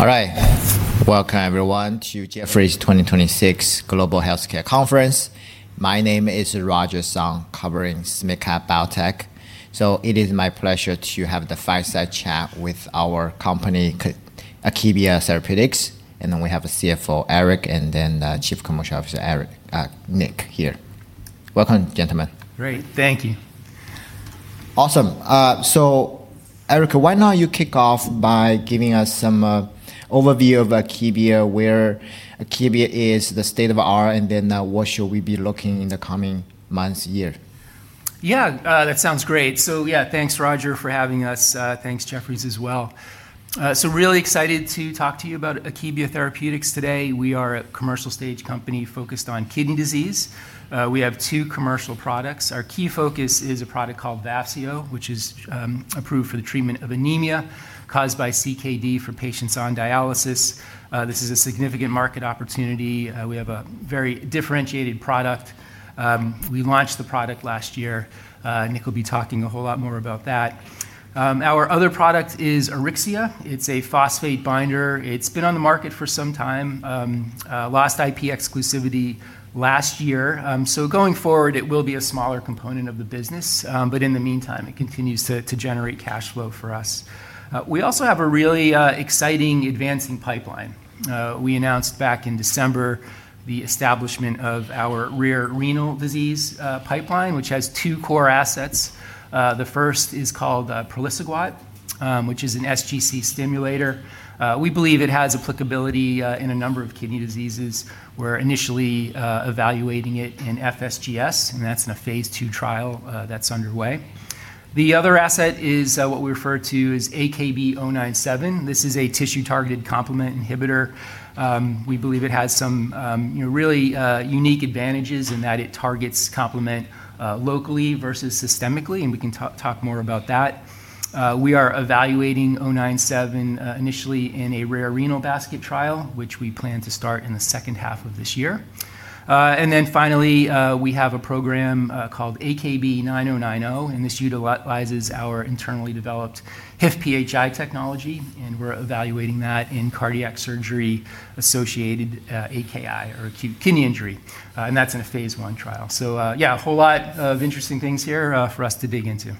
All right. Welcome everyone to Jefferies 2026 Global Healthcare Conference. My name is Roger Song, covering mid-cap biotech. It is my pleasure to have the fireside chat with our company, Akebia Therapeutics. We have the CFO, Erik, and the Chief Commercial Officer, Nick here. Welcome, gentlemen. Great. Thank you. Awesome. Erik, why not you kick off by giving us some overview of Akebia, where Akebia is, the state of R&D, what should we be looking in the coming months, year? Yeah, that sounds great. Yeah, thanks Roger for having us. Thanks, Jefferies as well. Really excited to talk to you about Akebia Therapeutics today. We are a commercial stage company focused on kidney disease. We have two commercial products. Our key focus is a product called Vafseo, which is approved for the treatment of anemia caused by CKD for patients on dialysis. This is a significant market opportunity. We have a very differentiated product. We launched the product last year. Nick will be talking a whole lot more about that. Our other product is Auryxia. It's a phosphate binder. It's been on the market for some time. Lost IP exclusivity last year. Going forward, it will be a smaller component of the business. In the meantime, it continues to generate cash flow for us. We also have a really exciting advancing pipeline. We announced back in December the establishment of our rare renal disease pipeline, which has two core assets. The first is called praliciguat, which is an sGC stimulator. We believe it has applicability in a number of kidney diseases. We're initially evaluating it in FSGS, and that's in a phase II trial that's underway. The other asset is what we refer to as AKB-097. This is a tissue-targeted complement inhibitor. We believe it has some really unique advantages in that it targets complement locally versus systemically, and we can talk more about that. We are evaluating AKB-097 initially in a rare renal basket trial, which we plan to start in the second half of this year. Finally, we have a program called AKB-9090, and this utilizes our internally developed HIF-PHI technology, and we're evaluating that in cardiac surgery-associated AKI or acute kidney injury. That's in a phase I trial. Yeah, a whole lot of interesting things here for us to dig into.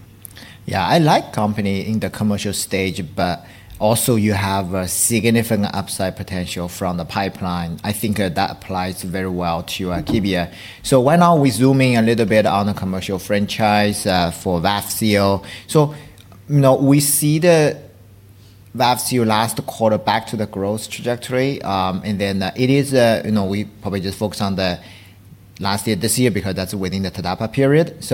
Yeah, I like company in the commercial stage, but also you have a significant upside potential from the pipeline. I think that applies very well to Akebia. Why not we zoom in a little bit on the commercial franchise for Vafseo. We see the Vafseo last quarter back to the growth trajectory, and then we probably just focus on the last year, this year, because that's within the TDAPA period.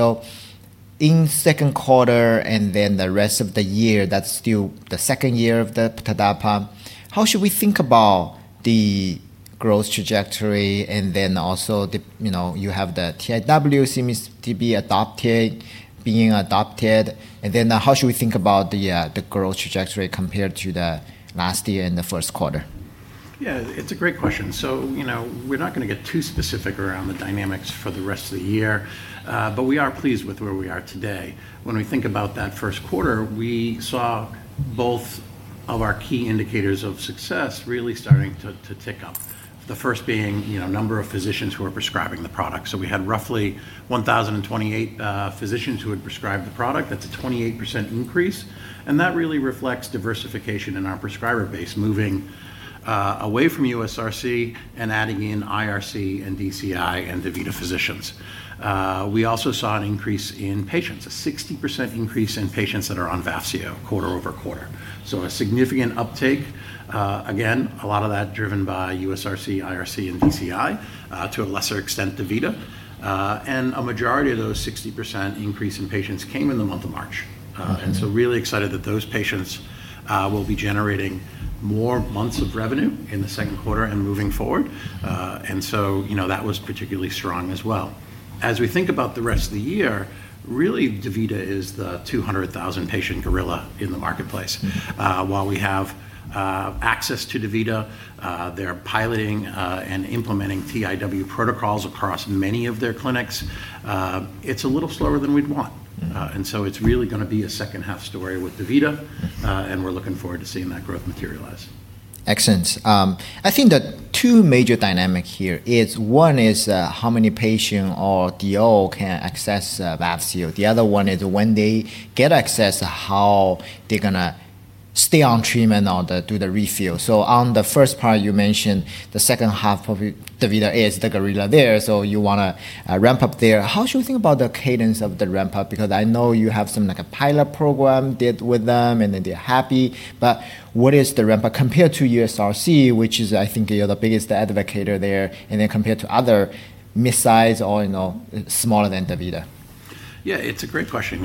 In second quarter and then the rest of the year, that's still the second year of the TDAPA. How should we think about the growth trajectory and then also you have the TIW seems to be being adopted. How should we think about the growth trajectory compared to the last year and the first quarter? Yeah, it's a great question. We're not going to get too specific around the dynamics for the rest of the year. We are pleased with where we are today. When we think about that first quarter, we saw both of our key indicators of success really starting to tick up. The first being number of physicians who are prescribing the product. We had roughly 1,028 physicians who had prescribed the product. That's a 28% increase, and that really reflects diversification in our prescriber base, moving away from USRC and adding in IRC and DCI and DaVita physicians. We also saw an increase in patients, a 60% increase in patients that are on Vafseo quarter-over-quarter. A significant uptake. Again, a lot of that driven by USRC, IRC and DCI, to a lesser extent, DaVita. A majority of those 60% increase in patients came in the month of March. Okay. Really excited that those patients will be generating more months of revenue in the second quarter and moving forward. That was particularly strong as well. As we think about the rest of the year, really DaVita is the 200,000 patient gorilla in the marketplace. While we have access to DaVita, they're piloting and implementing TIW protocols across many of their clinics. It's a little slower than we'd want. It's really going to be a second half story with DaVita, and we're looking forward to seeing that growth materialize. Excellent. I think that two major dynamic here is one is how many patient or DO can access Vafseo. The other one is when they get access, how they're going to stay on treatment or do the refill. On the first part, you mentioned the second half of DaVita is the gorilla there, you want to ramp up there. How should we think about the cadence of the ramp up? I know you have some pilot program did with them, then they're happy. What is the ramp up compared to USRC, which is I think you're the biggest advocator there, then compared to other mid-size or smaller than DaVita? Yeah, it's a great question.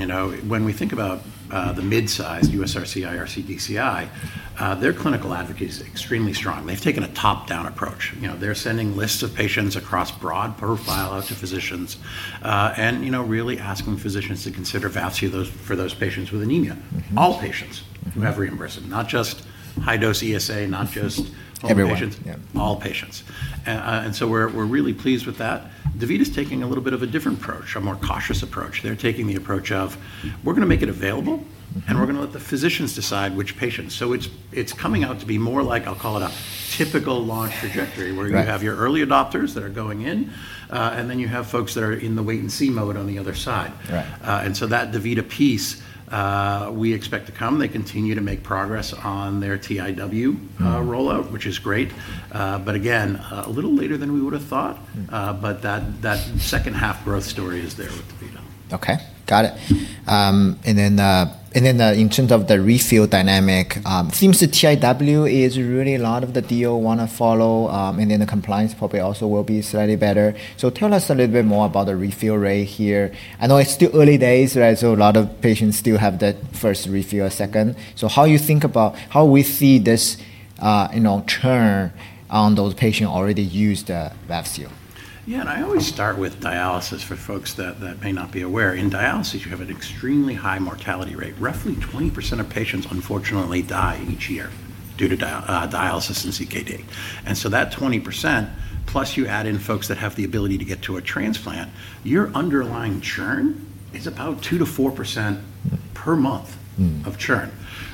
When we think about the mid-size USRC, IRC, DCI, their clinical advocacy extremely strong. They've taken a top-down approach. They're sending lists of patients across broad profile out to physicians, really asking physicians to consider Vafseo for those patients with anemia. All patients who have reimbursement, not just high-dose ESA, not just older patients- Everyone. Yeah ...all patients. We're really pleased with that. DaVita's taking a little bit of a different approach, a more cautious approach. They're taking the approach of we're going to make it available, and we're going to let the physicians decide which patients. It's coming out to be more like I'll call it a typical launch trajectory- Right. ...where you have your early adopters that are going in, and then you have folks that are in the wait and see mode on the other side. Right. That DaVita piece, we expect to come. They continue to make progress on their TIW rollout. Which is great. Again, a little later than we would've thought. That second half growth story is there with DaVita. Okay, got it. In terms of the refill dynamic, seems the TIW is really a lot of the deal want to follow, and then the compliance probably also will be slightly better. Tell us a little bit more about the refill rate here. I know it's still early days, right? A lot of patients still have that first refill, second. How you think about how we see this churn on those patient already used the Vafseo? Yeah, I always start with dialysis for folks that may not be aware. In dialysis, you have an extremely high mortality rate. Roughly 20% of patients unfortunately die each year due to dialysis and CKD. That 20%, plus you add in folks that have the ability to get to a transplant, your underlying churn is about 2%-4% per month of churn,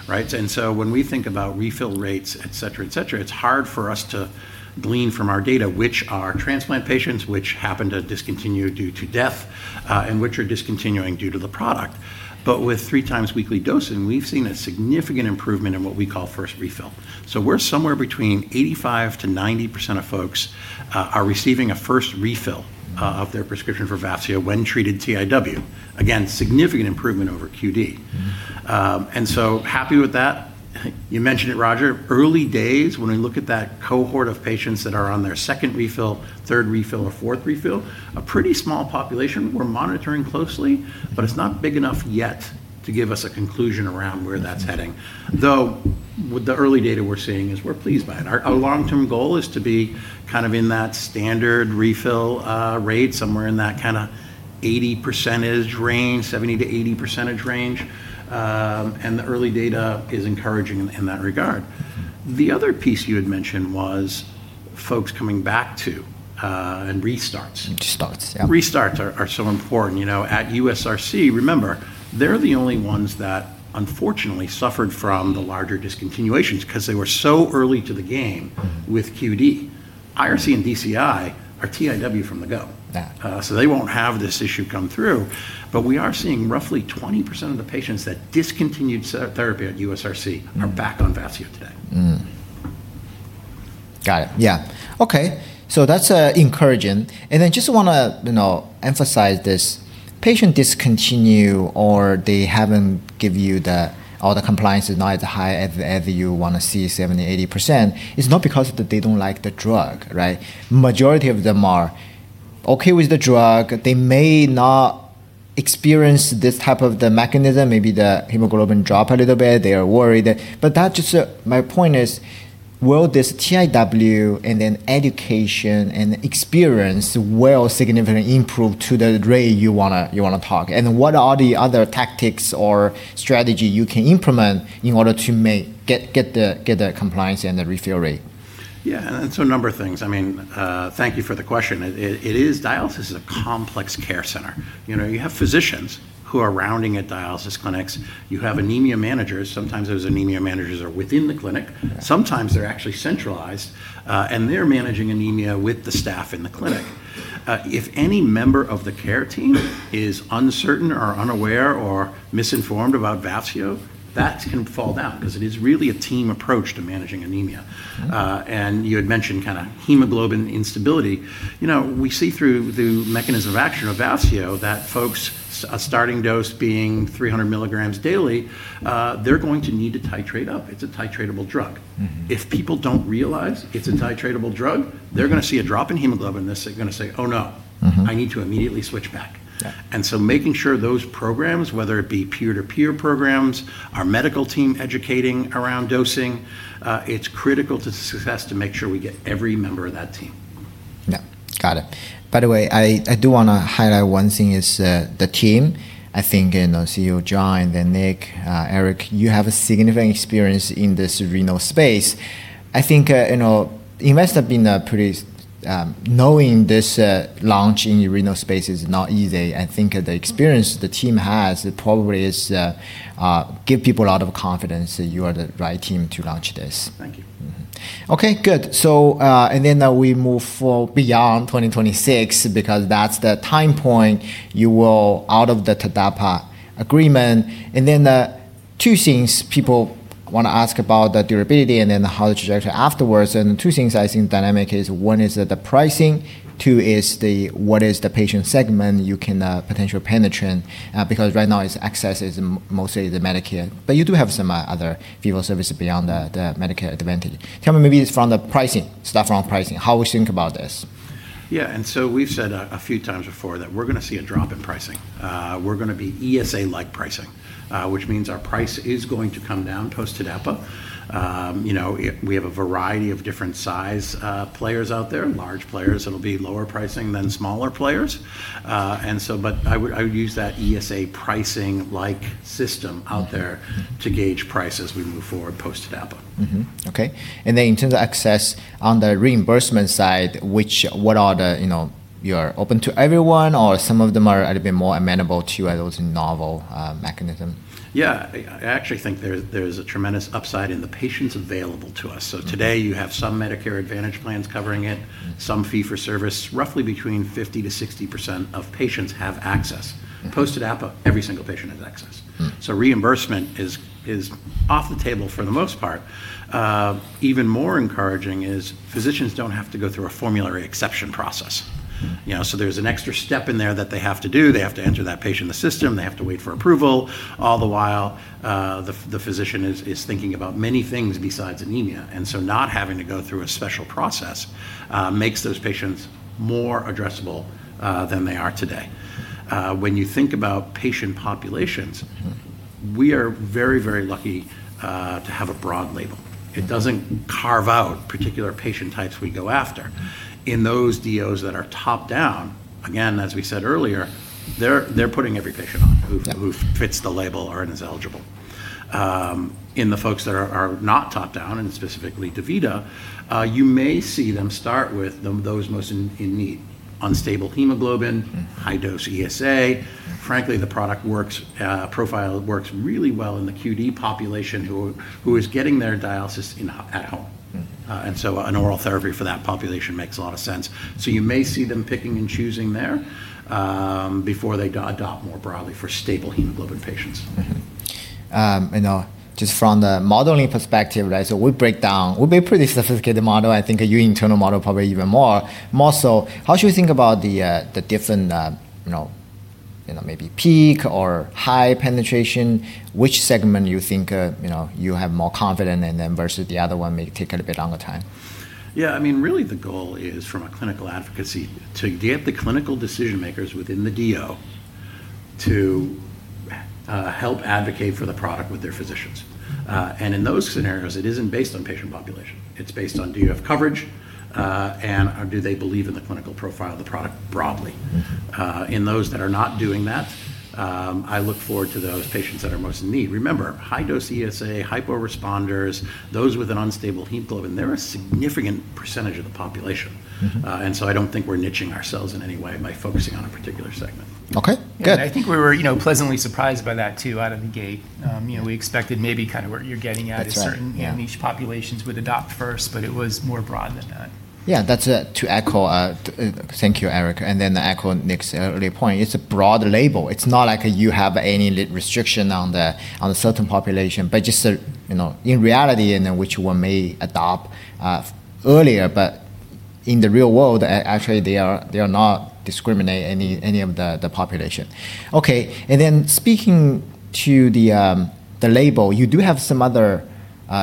right? When we think about refill rates, et cetera, it's hard for us to glean from our data which are transplant patients, which happen to discontinue due to death, and which are discontinuing due to the product. With three times weekly dosing, we've seen a significant improvement in what we call first refill. We're somewhere between 85%-90% of folks are receiving a first refill of their prescription for Vafseo when treated TIW. Again, significant improvement over QD. Happy with that. You mentioned it, Roger. Early days, when we look at that cohort of patients that are on their second refill, third refill, or fourth refill, a pretty small population we're monitoring closely, but it's not big enough yet to give us a conclusion around where that's heading. With the early data we're seeing, we're pleased by it. Our long-term goal is to be in that standard refill rate, somewhere in that kind of 80% range, 70%-80% range. The early data is encouraging in that regard. The other piece you had mentioned was folks coming back to and restarts. Restarts, yeah. Restarts are so important. At USRC, remember, they're the only ones that unfortunately suffered from the larger discontinuations because they were so early to the game with QD. IRC and DCI are TIW from the go. Yeah. They won't have this issue come through, but we are seeing roughly 20% of the patients that discontinued therapy at USRC are back on Vafseo today. Mm-hmm. Got it. Yeah. Okay. That's encouraging. I just want to emphasize this. Patient discontinue or the compliance is not as high as you want to see, 70%-80%, is not because they don't like the drug, right? Majority of them are okay with the drug. They may not experience this type of the mechanism. Maybe the hemoglobin drop a little bit. They are worried. My point is, will this TIW and then education and experience will significantly improve to the rate you want to talk? What are the other tactics or strategy you can implement in order to get the compliance and the refill rate? A number of things. Thank you for the question. Dialysis is a complex care center. You have physicians who are rounding at dialysis clinics. You have anemia managers. Sometimes those anemia managers are within the clinic. Sometimes they're actually centralized, and they're managing anemia with the staff in the clinic. If any member of the care team is uncertain or unaware or misinformed about Vafseo, that can fall down because it is really a team approach to managing anemia. You had mentioned hemoglobin instability. We see through the mechanism of action of Vafseo that folks, a starting dose being 300 mg daily, they're going to need to titrate up. It's a titratable drug. If people don't realize it's a titratable drug, they're going to see a drop in hemoglobin, they're going to say, "Oh, no. I need to immediately switch back." Yeah. Making sure those programs, whether it be peer-to-peer programs, our medical team educating around dosing, it's critical to success to make sure we get every member of that team. Yeah. Got it. By the way, I do want to highlight one thing is the team. I think CEO John, then Nick, Erik, you have a significant experience in this renal space. I think you must have been Knowing this launch in renal space is not easy. I think the experience the team has, it probably gives people a lot of confidence that you are the right team to launch this. Thank you. Okay, good. We move beyond 2026 because that's the time point you will out of the TDAPA agreement. Two things people want to ask about the durability and then how the trajectory afterwards. Two things I think dynamic is: one is the pricing, two is what is the patient segment you can potentially penetrate, because right now its access is mostly the Medicare. You do have some other fee-for-service beyond the Medicare Advantage. Tell me maybe from the pricing, start from pricing, how we think about this. Yeah, we've said a few times before that we're going to see a drop in pricing. We're going to be ESA-like pricing, which means our price is going to come down post-TDAPA. We have a variety of different size players out there. Large players, it'll be lower pricing than smaller players. I would use that ESA pricing-like system out there to gauge price as we move forward post-TDAPA. Mm-hmm. Okay. Then in terms of access on the reimbursement side, you are open to everyone or some of them are a little bit more amenable to those novel mechanism? Yeah. I actually think there's a tremendous upside in the patients available to us. Today, you have some Medicare Advantage plans covering it, some fee for service. Roughly between 50%-60% of patients have access. Post-TDAPA, every single patient has access. Reimbursement is off the table for the most part. Even more encouraging is physicians don't have to go through a formulary exception process. There's an extra step in there that they have to do. They have to enter that patient in the system. They have to wait for approval. All the while, the physician is thinking about many things besides anemia, not having to go through a special process makes those patients more addressable than they are today. When you think about patient populations, we are very, very lucky to have a broad label. It doesn't carve out particular patient types we go after. In those DOs that are top-down, again, as we said earlier, they're putting every patient on- Yeah ...fits the label or is eligible. In the folks that are not top-down, and specifically DaVita, you may see them start with those most in need. Unstable hemoglobin. High-dose ESA. Frankly, the product profile works really well in the QD population who is getting their dialysis at home. An oral therapy for that population makes a lot of sense. You may see them picking and choosing there before they adopt more broadly for stable hemoglobin patients. Just from the modeling perspective, we build pretty sophisticated model. I think your internal model probably even more so. How should we think about the different maybe peak or high penetration, which segment you think you have more confidence versus the other one may take a bit longer time? Yeah, really the goal is from a clinical advocacy to get the clinical decision makers within the DO to help advocate for the product with their physicians. In those scenarios, it isn't based on patient population, it's based on do you have coverage, and do they believe in the clinical profile of the product broadly. In those that are not doing that, I look forward to those patients that are most in need. Remember, high-dose ESA, hyporesponders, those with an unstable hemoglobin, they're a significant percentage of the population. I don't think we're niching ourselves in any way by focusing on a particular segment. Okay, good. I think we were pleasantly surprised by that too, out of the gate. We expected maybe what you're getting at- That's right. Yeah. ...certain niche populations would adopt first, but it was more broad than that. Yeah, to echo Thank you, Erik, and then to echo Nick's earlier point, it's a broad label. It's not like you have any restriction on the certain population, but just in reality in which one may adopt earlier, but in the real world, actually, they are not discriminate any of the population. Okay, and then speaking to the label, you do have some other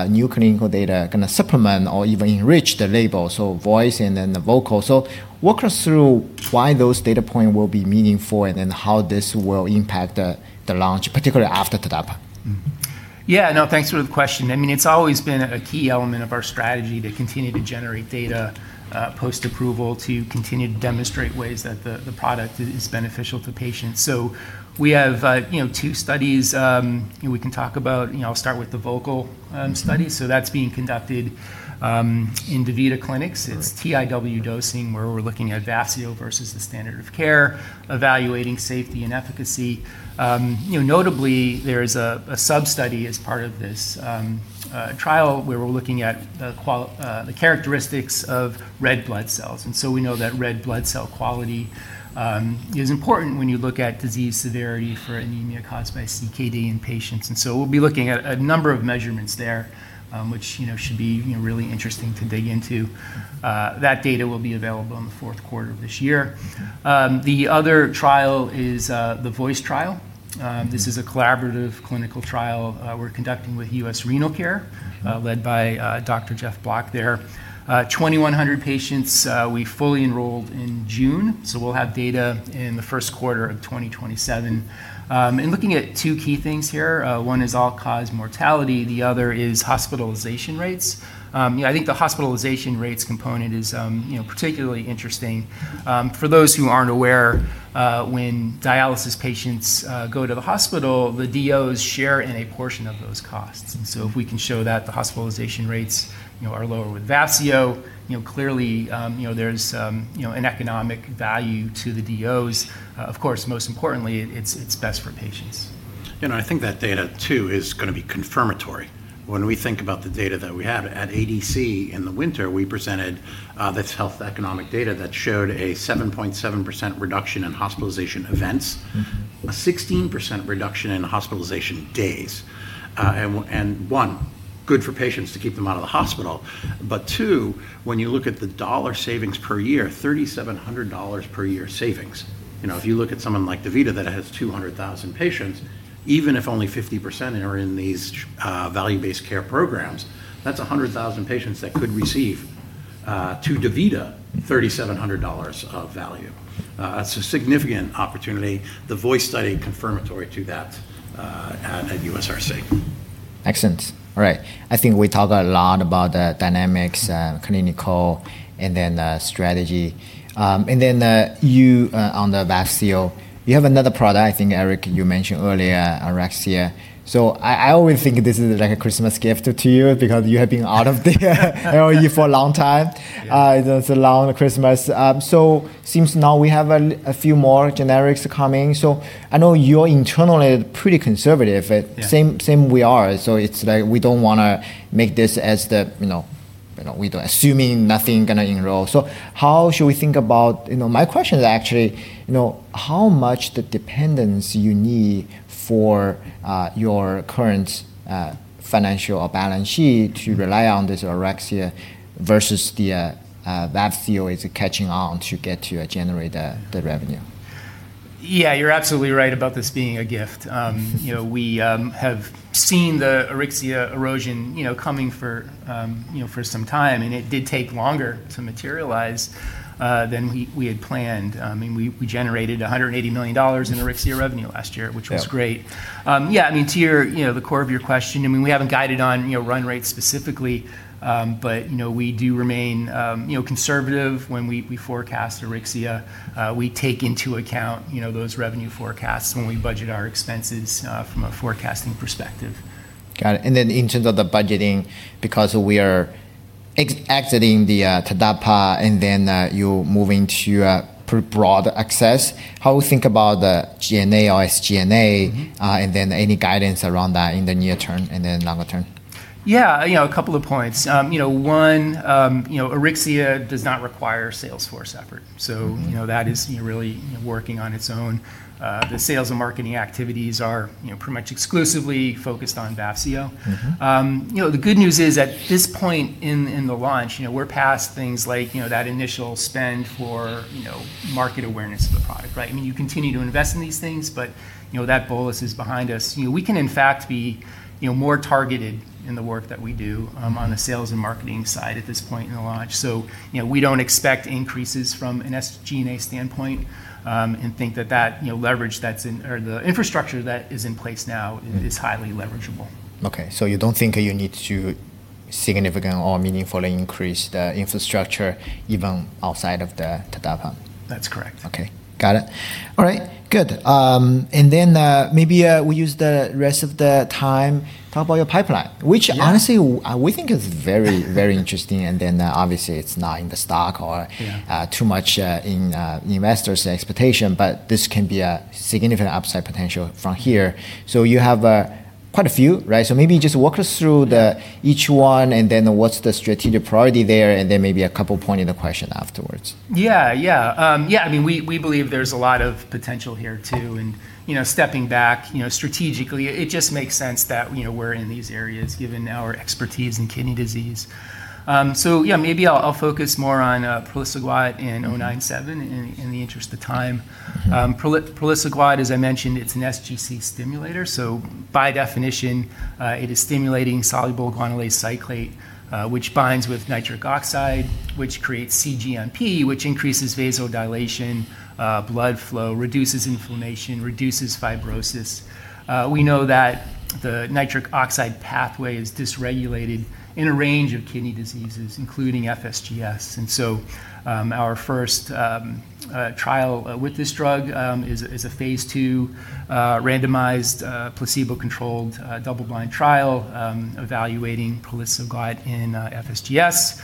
new clinical data supplement or even enrich the label, so VOICE and then the VOCAL. Walk us through why those data point will be meaningful and then how this will impact the launch, particularly after TDAPA. No, thanks for the question. It's always been a key element of our strategy to continue to generate data, post-approval, to continue to demonstrate ways that the product is beneficial to patients. We have two studies we can talk about. I'll start with the VOCAL study. That's being conducted in DaVita clinics. Correct. It's TIW dosing, where we're looking at Vafseo versus the standard of care, evaluating safety and efficacy. Notably, there is a sub-study as part of this trial where we're looking at the characteristics of red blood cells. We know that red blood cell quality is important when you look at disease severity for anemia caused by CKD in patients. We'll be looking at a number of measurements there, which should be really interesting to dig into. That data will be available in the fourth quarter of this year. The other trial is the VOICE trial. This is a collaborative clinical trial we're conducting with U.S. Renal Care- ...led by Dr. Geoff Block there. 2,100 patients we fully enrolled in June, so we'll have data in the first quarter of 2027. Looking at two key things here, one is all-cause mortality, the other is hospitalization rates. I think the hospitalization rates component is particularly interesting. For those who aren't aware, when dialysis patients go to the hospital, the DOs share in a portion of those costs. If we can show that the hospitalization rates are lower with Vafseo, clearly there's an economic value to the DOs. Of course, most importantly, it's best for patients. I think that data too is going to be confirmatory. When we think about the data that we have, at ADC in the winter, we presented this health economic data that showed a 7.7% reduction in hospitalization events, a 16% reduction in hospitalization days. One, good for patients to keep them out of the hospital. Two, when you look at the dollar savings per year, $3,700 per year savings. If you look at someone like DaVita that has 200,000 patients, even if only 50% are in these value-based care programs, that's 100,000 patients that could receive, to DaVita, $3,700 of value. That's a significant opportunity. The VOICE study confirmatory to that at USRC. Excellent. All right. I think we talked a lot about the dynamics, clinical, and then the strategy. You on the Vafseo, you have another product, I think, Erik, you mentioned earlier, Auryxia. I always think this is like a Christmas gift to you because you have been out of the LOE for a long time. Yeah. It's a long Christmas. Seems now we have a few more generics coming. I know you're internally pretty conservative. Yeah. Same we are. It's like we don't want to make this. We don't assuming nothing going to enroll. How should we think about, my question is actually, how much the dependence you need for your current financial or balance sheet to rely on this Auryxia versus the Vafseo is catching on to get to generate the revenue? Yeah, you're absolutely right about this being a gift. We have seen the Auryxia erosion coming for some time, and it did take longer to materialize than we had planned. We generated $180 million in Auryxia revenue last year, which was great. Yeah. Yeah. To the core of your question, we haven't guided on run rates specifically. We do remain conservative when we forecast Auryxia. We take into account those revenue forecasts when we budget our expenses from a forecasting perspective. Got it. In terms of the budgeting, because we are exiting the TDAPA, and then you're moving to broad access, how do you think about the G&A or SG&A, and then any guidance around that in the near term and then longer term? A couple of points. One, Auryxia does not require sales force effort. That is really working on its own. The sales and marketing activities are pretty much exclusively focused on Vafseo. The good news is, at this point in the launch, we're past things like that initial spend for market awareness of the product, right? You continue to invest in these things, but that bolus is behind us. We can in fact be more targeted in the work that we do on the sales and marketing side at this point in the launch. We don't expect increases from an SG&A standpoint, and think that the infrastructure that is in place now is highly leverageable. Okay. You don't think you need to significantly or meaningfully increase the infrastructure even outside of the TDAPA? That's correct. Okay. Got it. All right. Good. Maybe we use the rest of the time talk about your pipeline. Yeah. Which honestly, we think is very interesting, and then obviously it's not in the stock. Yeah. Too much in the investors expectation, but this can be a significant upside potential from here. You have quite a few, right? Yeah. Maybe just walk us through each one, and then what's the strategic priority there, and then maybe a couple point in the question afterwards. Yeah. We believe there's a lot of potential here, too, and stepping back strategically, it just makes sense that we're in these areas given our expertise in kidney disease. Yeah, maybe I'll focus more on praliciguat and AKB-097 in the interest of time. Praliciguat, as I mentioned, it's an sGC stimulator, so by definition, it is stimulating soluble guanylate cyclase, which binds with nitric oxide, which creates cGMP, which increases vasodilation, blood flow, reduces inflammation, reduces fibrosis. We know that the nitric oxide pathway is dysregulated in a range of kidney diseases, including FSGS. Our first trial with this drug is a phase II randomized, placebo-controlled, double-blind trial evaluating praliciguat in FSGS.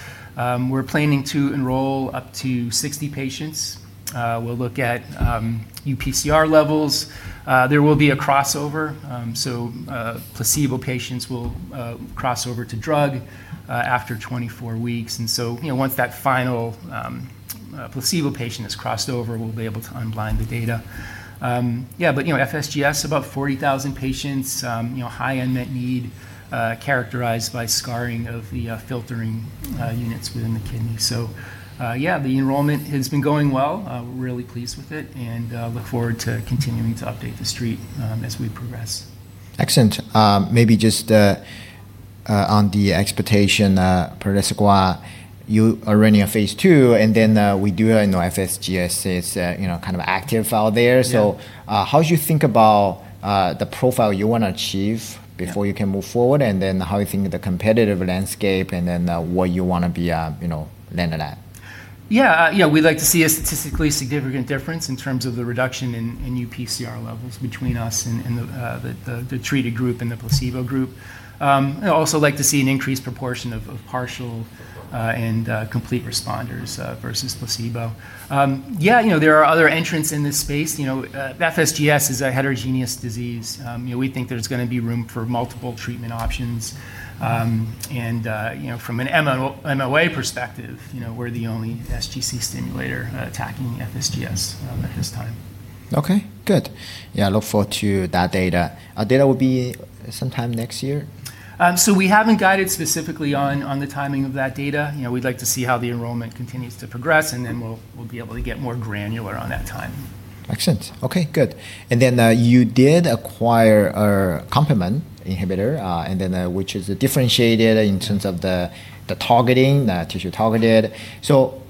We're planning to enroll up to 60 patients. We'll look at uPCR levels. There will be a crossover. Placebo patients will cross over to drug after 24 weeks. Once that final placebo patient has crossed over, we'll be able to unblind the data. Yeah. FSGS, about 40,000 patients, high unmet need, characterized by scarring of the filtering units within the kidney. Yeah, the enrollment has been going well. We're really pleased with it, and look forward to continuing to update the Street as we progress. Excellent. Maybe just on the expectation, praliciguat, you are running a phase II. We do know FSGS is active out there. Yeah. How do you think about the profile you want to achieve- Yeah. ...before you can move forward, and then how you think the competitive landscape, and then what you want to be landed at? Yeah. We'd like to see a statistically significant difference in terms of the reduction in uPCR levels between us and the treated group and the placebo group. Also like to see an increased proportion of partial and complete responders versus placebo. Yeah. There are other entrants in this space. FSGS is a heterogeneous disease. We think there's going to be room for multiple treatment options. From an MOA perspective, we're the only sGC stimulator attacking FSGS at this time. Okay, good. Yeah, look forward to that data. Data will be sometime next year? We haven't guided specifically on the timing of that data. We'd like to see how the enrollment continues to progress. We'll be able to get more granular on that timing. Excellent. Okay, good. You did acquire a complement inhibitor, and then which is differentiated in terms of the targeting, the tissue targeted.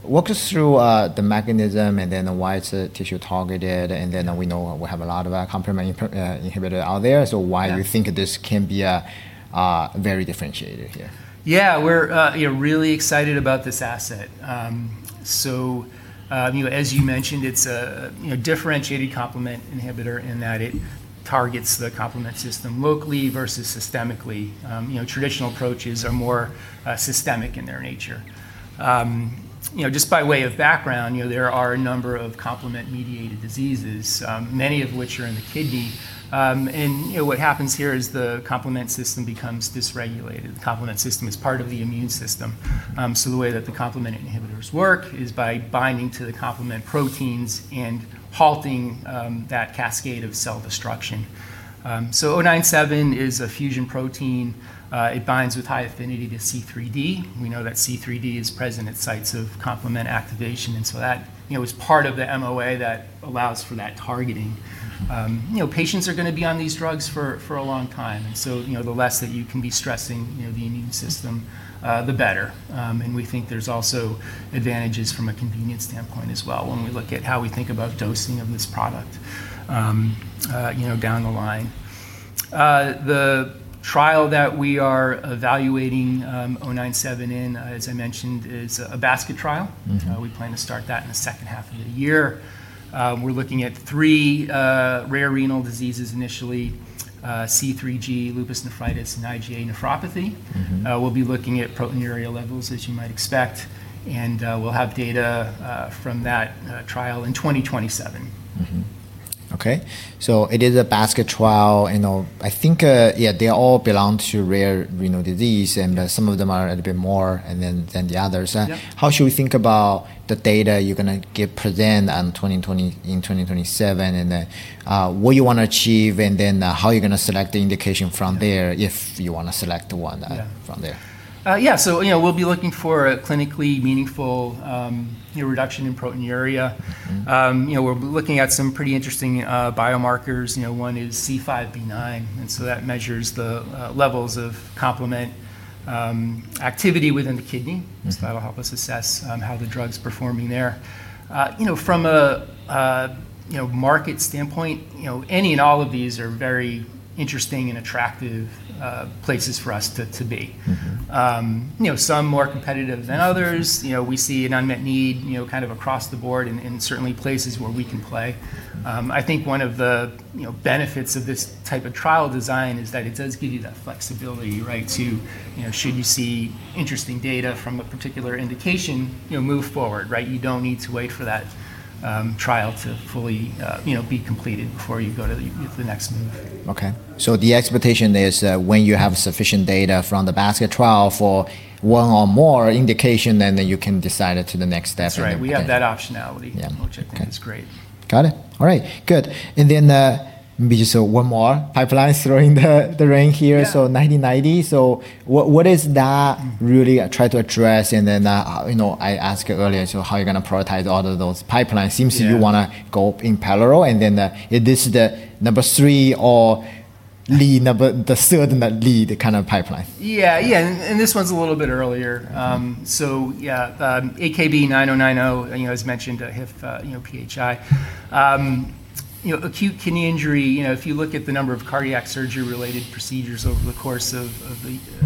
Walk us through the mechanism and then why it's tissue targeted, and then we know we have a lot of complement inhibitor out there. Why- Yeah. ...do you think this can be very differentiated here? Yeah. We're really excited about this asset. As you mentioned, it's a differentiated complement inhibitor in that it targets the complement system locally versus systemically. Traditional approaches are more systemic in their nature. Just by way of background, there are a number of complement-mediated diseases, many of which are in the kidney. What happens here is the complement system becomes dysregulated. The complement system is part of the immune system. The way that the complement inhibitors work is by binding to the complement proteins and halting that cascade of cell destruction. AKB-097 is a fusion protein. It binds with high affinity to C3d. We know that C3d is present at sites of complement activation, and so that is part of the MOA that allows for that targeting. Patients are going to be on these drugs for a long time, the less that you can be stressing the immune system, the better. We think there's also advantages from a convenience standpoint as well when we look at how we think about dosing of this product down the line. The trial that we are evaluating AKB-097 in, as I mentioned, is a basket trial. We plan to start that in the second half of the year. We're looking at three rare renal diseases initially, C3G, lupus nephritis, and IgA nephropathy. We'll be looking at proteinuria levels as you might expect, and we'll have data from that trial in 2027. Okay. It is a basket trial, I think they all belong to rare kidney disease and some of them are a little bit more than the others. Yeah. How should we think about the data you're going to present in 2027, and what you want to achieve, and then how you're going to select the indication from there if you want to select one- Yeah. ...from there. Yeah. We'll be looking for a clinically meaningful reduction in proteinuria. We're looking at some pretty interesting biomarkers. One is C5b-9, that measures the levels of complement activity within the kidney. Yes. That'll help us assess how the drug's performing there. From a market standpoint, any and all of these are very interesting and attractive places for us to be. Some more competitive than others. We see an unmet need, kind of across the board in certainly places where we can play. I think one of the benefits of this type of trial design is that it does give you that flexibility, right, to, should you see interesting data from a particular indication, move forward, right? You don't need to wait for that trial to fully be completed before you go to the next move. Okay. The expectation is that when you have sufficient data from the basket trial for one or more indication, then you can decide to the next step. That's right. okay. We have that optionality. Yeah, okay. Which I think is great. Got it. All right, good. Maybe just one more pipeline throwing in the ring here. Yeah. AKB-9090, so what does that really try to address? I asked earlier, so how are you going to prioritize all of those pipelines? Yeah. Seems you want to go in parallel, and then this is the number three or the third lead kind of pipeline. Yeah. This one's a little bit earlier. AKB-9090, as mentioned, HIF-PHI. Acute kidney injury, if you look at the number of cardiac surgery-related procedures over the course of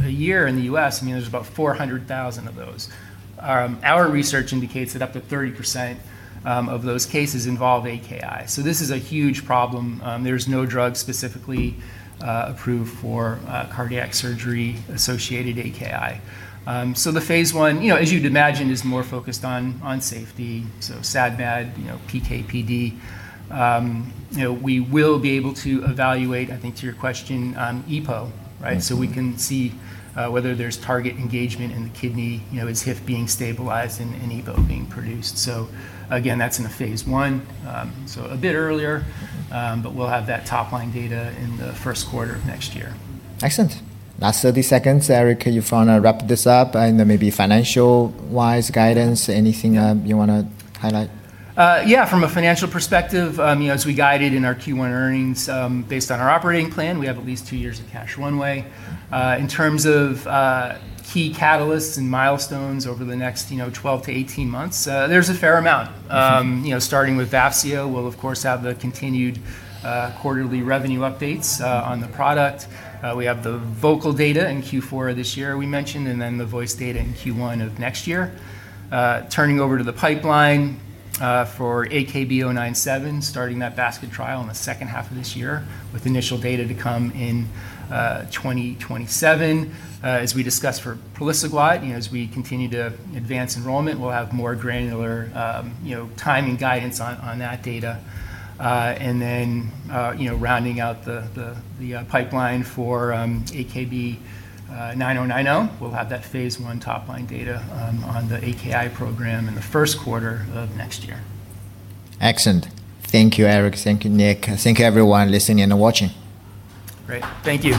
a year in the U.S., there's about 400,000 of those. Our research indicates that up to 30% of those cases involve AKI. This is a huge problem. There's no drug specifically approved for cardiac surgery-associated AKI. The phase I, as you'd imagine, is more focused on safety. SAD, MAD, PK, PD. We will be able to evaluate, I think to your question, EPO, right? We can see whether there's target engagement in the kidney. Is HIF being stabilized and EPO being produced? Again, that's in a phase I. A bit earlier, but we'll have that top-line data in the first quarter of next year. Excellent. Last 30 seconds, Erik, if you want to wrap this up and then maybe financial-wise, guidance, anything you want to highlight? Yeah. From a financial perspective, as we guided in our Q1 earnings, based on our operating plan, we have at least two years of cash one way. In terms of key catalysts and milestones over the next 12-18 months, there's a fair amount. Starting with Vafseo, we'll of course have the continued quarterly revenue updates on the product. We have the VOCAL data in Q4 of this year we mentioned. Then the VOICE data in Q1 of next year. Turning over to the pipeline, for AKB-097, starting that basket trial in the second half of this year with initial data to come in 2027. As we discussed for praliciguat, as we continue to advance enrollment, we'll have more granular timing guidance on that data. Rounding out the pipeline for AKB-9090, we'll have that phase I top-line data on the AKI program in the first quarter of next year. Excellent. Thank you, Erik. Thank you, Nick. Thank you everyone listening and watching. Great. Thank you.